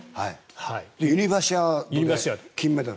ユニバーシアードで金メダル。